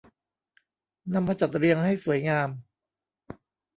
นำมาจัดเรียงให้สวยงาม